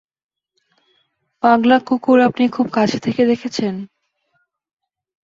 পাগলা কুকুর আপনি খুব কাছ থেকে দেখেছেন।